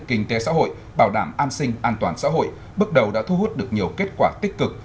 kinh tế xã hội bảo đảm an sinh an toàn xã hội bước đầu đã thu hút được nhiều kết quả tích cực